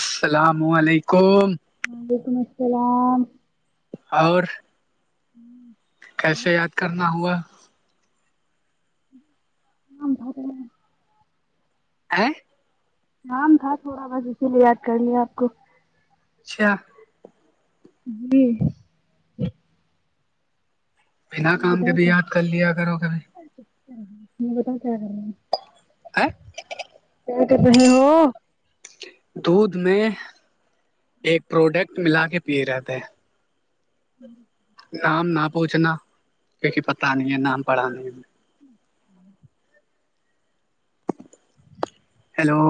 السلام و علیکم وعلیکم السلام اور ہوں کیسے یاد کرنا ہوا [unintelligible] ئیں کام تھا تھوڑا بس اسی لیے یاد کر لیا آپ کو اچھا جی بنا کام کے بھی یاد کر لیا کرو کبھی تم بتاؤ کیا کرنا ہے آہ کیا کر رہے ہو دودھ میں ایک پروڈکٹ ملا کے پی رہے تھے ہوں نام نہ پوچھنا کیونکہ پتا نہیں ہے نام پڑھا نہیں ہے اچھا ہیلو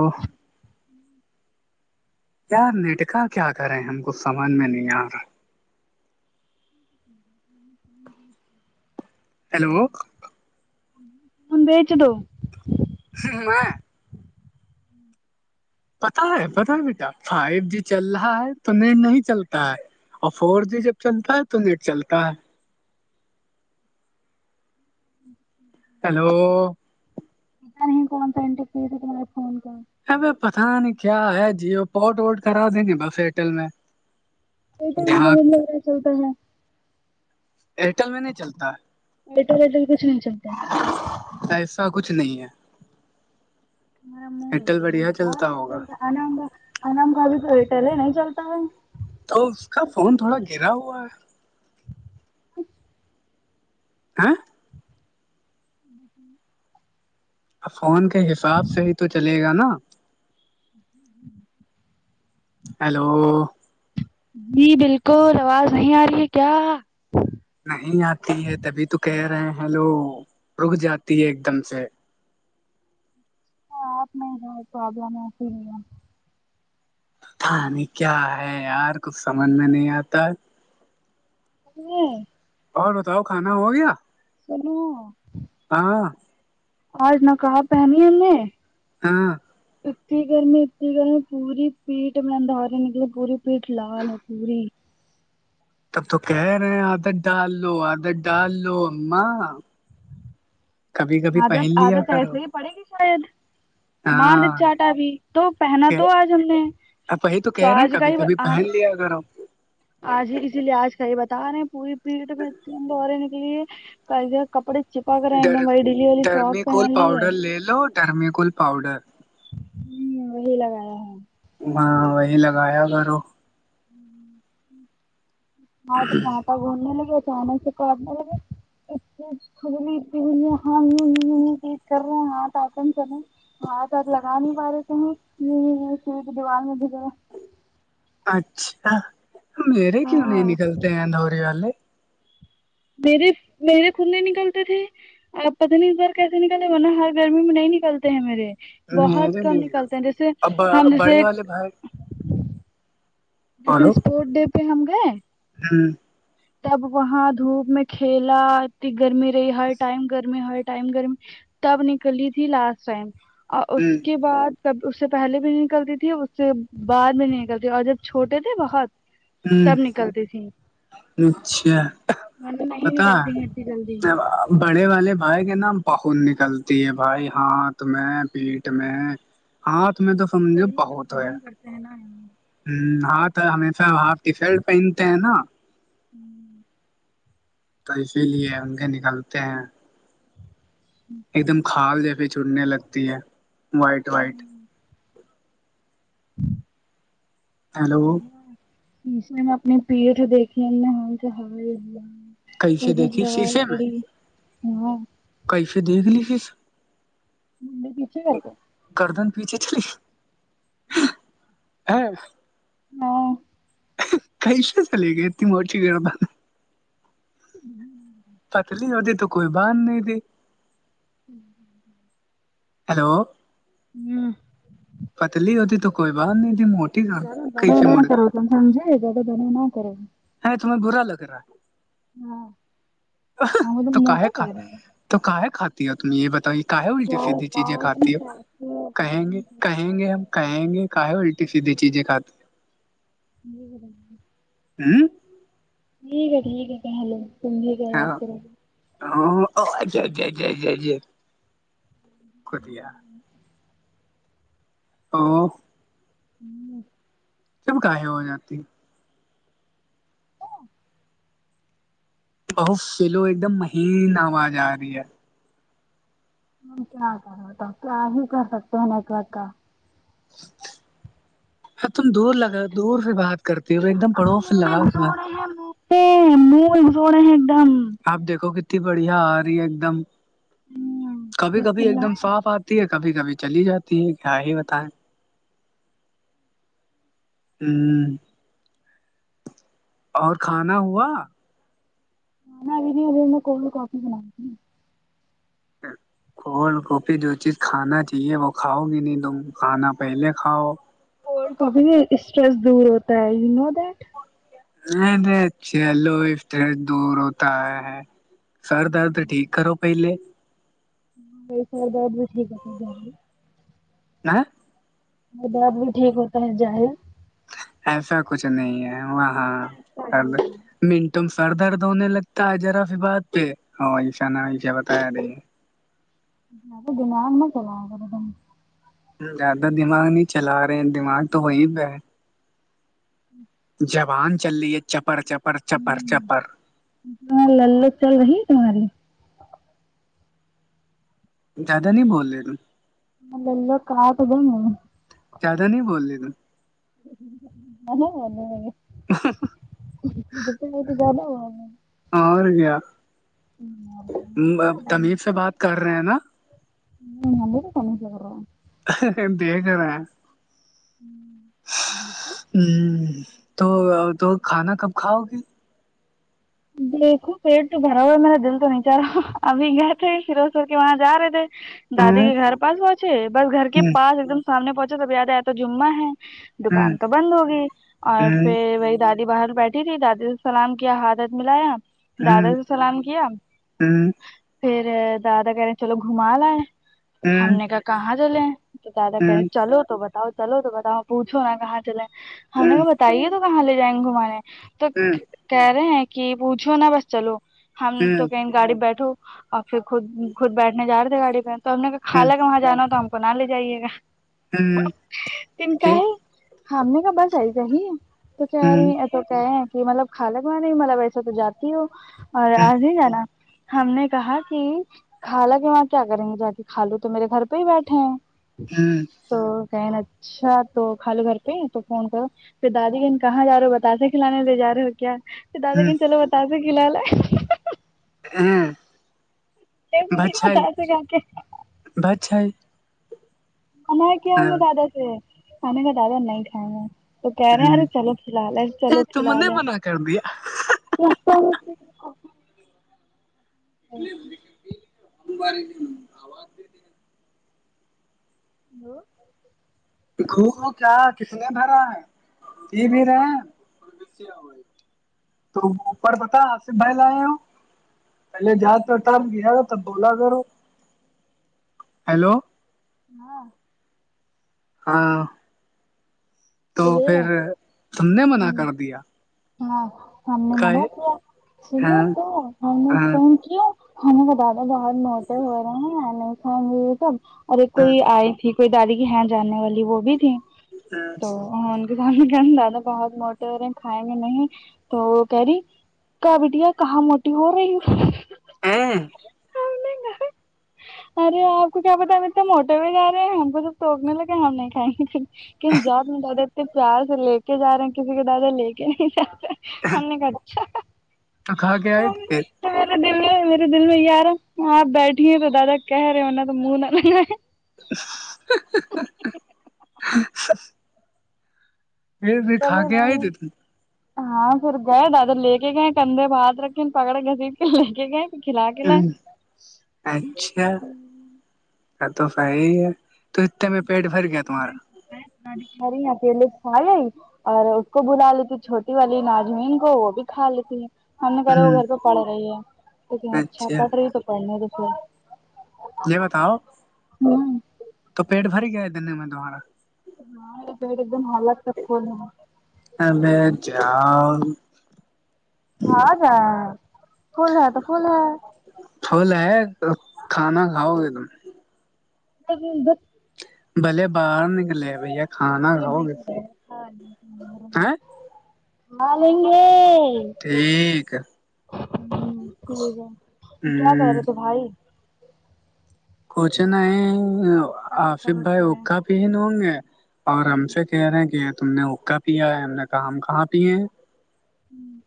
یار نیٹ کا کیا کریں ہم کو سمجھ میں نہیں آ رہا [unintelligible] ہیلو ہاں بیچ دو ہ میں پتا ہے پتا ہے بیٹا فائیو جی چل رہا ہے تو نیٹ نہیں چلتا ہے اور فور جی جب چلتا ہے تو نیٹ چلتا ہے ہیلو پتہ نہیں کون سا انینٹپ پیز تمہاراے فون کا ہمیں پتا نہیں کیا ہے جیو پاٹ واٹ کرا دین بس ایئرٹیل میں ایئرٹیل میں تو یہاں بھی بہت بڑیا چلتا ہے ایئرٹیل میں نہیں چلتا ایئر ٹیل وٹیل کچھ نہیں چلتا ہے کیا کچھ نہیں ہے ایئرٹیل ہن بڑھیا بتا چلتا رہے ہوگا ہیں انم کا بھی تو ایئر ٹیل ہے نہیں چلتا ہے تو اس کا فون تھوڑا گرا ہوا ہے آں فون کے حساب سے ہی تو چلے گا نا ہ [inaudible] ہیلو جی بالکل آواز نہیں آ رہی ہے کیا نہیں آتی ہے تبھی تو کہہ رہے ہیں ہیلو رک جاتی ہے ایک دم سے آپ میں ب پرابلم ایسی ہی ہے کھانے کیا ہے یار کچھ سمجھ میں نہیں آتا نہیں ہے اور بتاؤ کھانا ہو گیا سنو ہاں آج نقاب پہنی ہم نے ہاں اتی گرمی اتی گرمی پوری پیٹ میں اندھارے نکلی پوری پیٹ لال ہے پوری تب تو کہہ رہے ہیں عادت ڈال لو عادت ڈال لو اماں کبھی کبھی عادت پہن لیا عادت کرو ایسے ہی پڑے گی شاید مار دے ہاں چاٹا بھی تو پہنا تو آج ہم نے اپ ہی تو کہہ رہے ہیں آج کا کبھی ہی کبھی ہاں تو پہن لیا کرو آج ہی اسی لیے آج کا یہ بتا رہے ہیں پوری پیٹ میں تین دورے نکلی ہے ک کپڑے چیپک رہے ہیں میں وہی ڈلی والی شارٹ پہن لی ہے ٹیلو ڈرمیکول پاؤڈر ہوں وہی لگایا ہے ہاں وہی لگایا کرو [unintelligible] ہاں تم وہاں گھومنے لگے اچانک سے کرنے لگے [unintelligible] ہاں آپ لگا نہیں پا رہے تھے ہیں یہ دیوار میں بھی دیکھ را اچھا میرے کیوں نہیں ہاں نکلتے ہیں دو ریال میرے میرے خود نہی نکلتے تھے آپ پتہ نہیں اس بار کیسے نکلے ورنہ ہر گرمی میں نہیں نکلتے ہیں میرے بہت میرے کم نکلتے ہیں جیسے ہم جیسے یہ بھائی جیسے اسپورٹ ڈے پہ ہم گئے ہوں تب وہاں دھوپ میں کھیلا اتنی گرمی رہی ہر ٹائم گرمی ہر ٹائم گر میں تب نکلی تھی لاسٹ ٹائم اور ا ہ اس کے بعد تب اس سے پہلے بھی نہیں نکلتی تھی اس سے بعد بھی نہیں نکلتی اور جب چھوٹے تھے بہت ہ تب نکلتی تھی اچھا ورنہ نہیں نکلتی ہے اتنی جلدی بڑے والے بھائی کے نا بہت نکلتی ہے بھائی ہاتھ میں پیٹھ میں ہاتھ میں تو سمجھو گرمی میں بہت ہے [unintelligible] ہوں ہاں تو ہمیشہ ہاف ٹی شرٹ پہنتے ہیں نا ہوں تو اسی لیے ان کے نکلتے ہیں ہوں ایک دم کھال یہ بھی چھوٹنے لگتی ہے وائٹ وائٹ ہیلو اسے نے اپنی پیٹ دیکھی ہیں [unintelligible] کیسے پوری دیکھی لال شیشے میں پڑی ہاں کیسے دیکھ لی پھر مونڈی پیچھے کرکے گردن پیچھے چلی ہے نہیں کیسا چلے گئے اتنی موتی گردن [unintelligible] پتلی ہوتی تو کوئی بات نہیں تھی [unintelligible] ہیلو ہوں پتلی ہوتی تو کوئی بات نہیں تھی موٹی کیسے موڑی سمجھایا جائے زیادہ ضد نا کرے ہاں تمہیں برا لگ رہا ہاں ہاں وہ تم تو کا موٹا کھ کہہ رہے ہو تو کاے کھاتی ہو تم یہ بتائی کا ہے الٹی سیدھی چیزیں کھاتی ہو کہیں گے۔ کہیں گے ہم کہیں گے کا ہے الٹی سیدھے چیزیں کھات [unintelligible] ہوں ٹھیک ہے ٹھیک ہے کہلو ٹیم بھی کیا یاد کرو گے ہاں ج ج ج جائے جی یا اہو ہوں تم کا ہے ہو جاتی ہو ا [inaudible] بہت سولو ایک دم مہین آواز آ رہی ہے م کیا کر رہا تو کیا ہی کر سکتے ہیں نیٹورک کا ہ تم دور لگا دور سے بات کرتی ہو تو ایک دم پڑوس سے لگا کے بات [inaudible] پ مول زڑ ہے ایک دم [unintelligible] اب دیکھو کتنی بڑھیا آ رہی ہے ایک دم کبھی جب کبھی ایک دم چلائے صاف آتی ہے کبھی کبھی چلی جاتی ہے کیا ہی بتائیں ہوں اور کھانا ہوا حنا دیدی ہمیں ہے نہ کولڈ کافی بنائی ت کولڈ کوفی جو چیز کھانا چاہیے وہ کھاؤ گی نہیں تم کھانا پہلے کھاؤ کولڈ کافی سے اسٹریس دور ہوتا ہے یو نو دیٹ رے نہیں چلو افٹریٹ دور ہوتا ہے سر درد ٹھیک کرو پہلے یہ سر درد بھی ٹھیک ہوا تو جاؤنگی نہ درد بھی ٹھیک ہوتا ہے جاہ او ایسا کچھ نہیں ہے وہاں اب منٹوں میں سر درد ہونے لگتا ہے جرا سی بات پہ ایسا نہ ایسا بتایا رہے زیادہ دماغ مت چلایا کرو تم زیادہ دماغ نہیں چلا رہے ہیں دماغ تو وہی پہ ہے زبان چل رہی ہے چپڑ چپڑ چپڑ چپڑ تمہاری لل لت چل رہی ہے تمہاری زیادہ نہیں بول رہے ت [unintelligible] زیادہ نہیں بول رہے ت ہاں نہیں نہیں ہ ہ ہں ب ہے تو زیادہ ہوا [unintelligible] اور کیا ام تمیز سے بات کر رہے ہیں نا ہ مندیر کنش گ ر [unintelligible] دیکھ رہے ہیں ہ جے [inaudible] ہوں تو تو کھانا کب کھاؤگی دیکھو پیٹ تو بھرا ہوا ہے میرا دل تو نہیں چاہ رہا اب گئے تھے فیرو سر کے وہاں جا رہے تھے دادی ہ کے گھر پاس پہنچے بس گھر کے ہ پاس ایک دم سامنے پہنچے سب یاد ہے ای تو جمعہ ہے ہ دکان تو بند ہوگئی ہ اور ہ پھر وہی دادی باہر بیٹھی تھی دادی سے سلام کیا حادت ملایا ہ دادا سلام کیا ہ ہ ہ ہ پھر دادا کہہ رہے چلو گھوما لے ہ ہ ہ ہ ہم نے کہا کہاں چلے ہیں تو دادا کہ رہے ہ چلو تو با بتاؤ چلو تو بتاؤ پوچھو نا کہاں چلے ہم نے کہ بتائیے تو کہاں لے جائیں گے گھمانے تو کہہ رہے ہیں کہ پوچھو نا بس چلو ہم تو کہیں گاڑی پہ بیٹھو اور پھر خود خود بیٹھنے جا رہے تھے گاڑی پہ تو ہم نے خالہ ہے کہ وہاں جانا تو ہم نہ لے جائیے گا ہوں تن کا ہے ہم نے کا بس ایسے ہی بیچارے ات تو کہ ہیں کہ مطلب خالہ کے کیوں مطلب ویسے تو جاتی ہو اور آج ہی جانا ہم نے کہا کہ خالہ کہ وہاں کیا کریں گے جاکے خالو تو میرے گھر پہ ہی بیٹھے ہیں ہوں تو کہن اچھا تو خالو گھر پہ تو فون کرو پھر دادی کہن کہاں جا رہے ہو بتاسے کھلانے جا رہے ہو کیا پھر دادا کہن چلو بتاسے کھلا لیے ہ ہ ہوں نہیں مجھے نہیں بتاسے کھاکے بچ آئی ہمارا کیا ہے دادا سے ہے کھانے کا دادا نہیں کھائے گا تو کہہ رہے ہیں ارے چلو کھیلا لیں ہے چلو ہ تم کھیلا نے لیں ہے منع کر دیا لس [inaudible] مبارک دو ہیلو گھومو کیا کس نے بھرا ہے جی بھی رہے ہیں تو اوپر بتا آ صف بھائی لئے ہو پہلے جاؤ تو تب گیا تھا تب بولا کرو ہیلو ہاں ہاں وہ تو گیا پھر تم نے منع ہوں کر دیا ہاں ہم نے کہے منع کیا سنو ہاں تو ہم نے ہاں تھینک یو ہمیں بتا د بہت موٹے ہو رہے ہیں سب اور ایک کوئی آئی تھی کوئی دادی کی ہیں جاننے والی وہ بھی تھی تو ان کے سامنے کہ دادا بہت موٹے ہو رہے ہیں کھائے میں نہیں تو وہ کہہ رہی کا بٹیا کہاں موٹی ہو رہی ہو ہوں تو میں نہیں ارے آپ کو کیا بتا کتنے موٹے بھی جا رہے ہیں ہم کو سب توٹکنے لگے ہم نہیں کھائیں گے لیکن جات دادا اتنے پیار سے لے کے جا رہے ہیں کسی کے دادا لے کے نہیں جاتے ہم نے کہا اچھا تو کھا کے آئے تھے میرے دل میں میرے دل میں یہ آرہا آپ بیٹھی ہیں تو دادا کہہ رہے ہو نہ تو منہ نہ لگے ہی۔ ہی۔ ہی۔ ہی بولے کے آئے نہیں تھے تم ہاں پھر گئے دادا لے کے گئے کندھے پے ہاتھ رکھے پکڑے گھسٹ کے لے کے گئے پھر کھلا کے لائے ہوں اچھا ا توفائی ہے تو اتنے میں پیٹ بھر گیا تمہارا ہ کہہ رہی اکیلے کھالے اور اس کو بلا لیتی چھوٹی والی ناجمین کو وہ بھی کھا لیتی ہے ہم نے کہ رہے وہ گھر پے پڑھ رہی ہے لیکن اچھا پڑھ رہی تو پڑھنے دو پھر یہ بتاؤ ہمم تو پیٹ بھر گیا ہے دلی میں تمہارا [unintelligible] ابے جاؤ ہاں جان فل ہے تو فل فل ہے تو کھانا کھاؤ گے تم [unintelligible] بلے باہر نکلے بھیا کھانا کھاؤ گے کھالیں گے ٹھیک ہے ہ ٹھیک ہے کیا کر ہ رہے تھے بھائی کچھ نہیں آصف بھائی حقہ پی ہوں گے اور ہم سے کہہ رہے ہیں کہ تم نے حقہ پیا ہے ہم نے کہا ہم کہاں پیے ہیں ہوں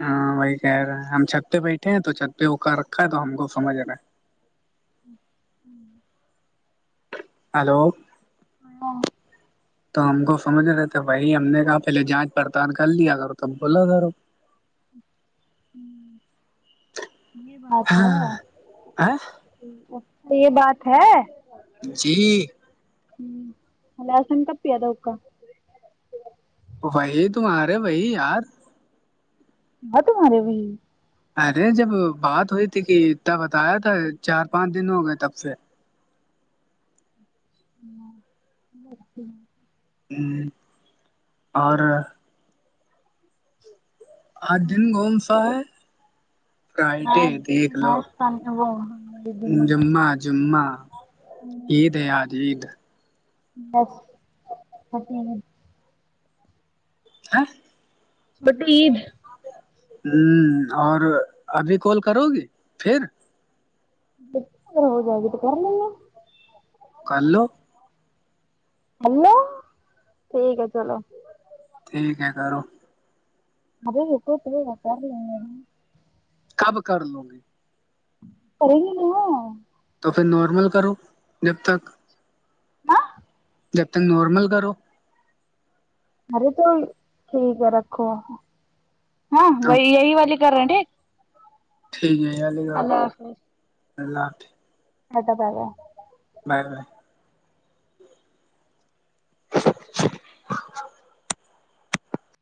ہاں وہی کہہ رہے ہیں ہم چھت پہ بیٹھے ہیں تو چھت پہ اکا رکھا ہے تو ہم کو سمجھ رہا ہے ہوں ہیلو ہاں تو ہم کو سمجھ رہے تھے وہی ہم نے کہا پہلے جانچ پڑتال کر لیا کرو تب بولا کرو یہ بات ہے ہاں اچھا یہ بات ہے جی ہوں لاسٹ ٹائم کب پیا تھا حقہ وہی تمہارے وہی یار بت تمہارے بھائی ارے جب بات ہوئی تھی کہ اتنا بتایا تھا چار پانچ دن ہو گئے تب سے [inaudible] ہوں اور آج دن کون سا ہے کئے ٹے دیکھ لو جمعہ جمعہ عید ہے آج عید بس ا تھی میں ہاں ببلو عید ہوں اور ابھی کال کرو گی پھر بچے اگر ہو جائے گے تو کر لیں گے کرلو ہیلو ٹھیک ہے چلو ٹھیک ہے کرو [unintelligible] کب کر لو گے پڑھے گے نہ تو پھر نارمل کرو جب تک ہاں جب تک نارمل کرو ارے تو ٹھیک ہے رکھو ہاں اب وہی یہی والی کر رہے ٹھیک ہے جی علی گڑھ اللہ حافظ ادا بغا [unintelligible] باے باے [inaudible]